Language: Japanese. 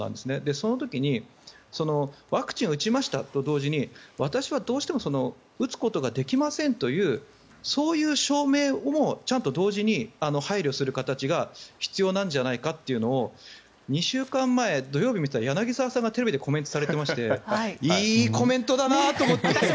その時にワクチンを打ちましたと同時に私はどうしても打つことができませんというそういう証明も同時に配慮する形が必要なんじゃないかというのを２週間前に土曜日にテレビを見ていたら柳澤さんがコメントされていましていいコメントだなと思って。